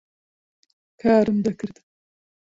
کارم دەکرد.